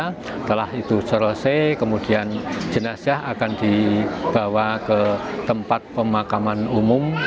setelah itu selesai kemudian jenazah akan dibawa ke tempat pemakaman umum